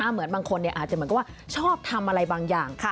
เหมือนบางคนอาจจะเหมือนกับว่าชอบทำอะไรบางอย่าง